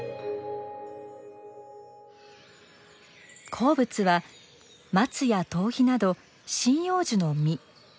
好物はマツやトウヒなど針葉樹の実。